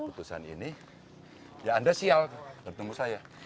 putusan ini ya anda sial ketemu saya